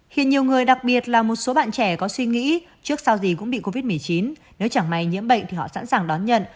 hiện nhiều người đặc biệt là một số bạn trẻ có suy nghĩ trước sau gì cũng bị covid một mươi chín nếu chẳng may nhiễm bệnh thì họ sẵn sàng đón nhận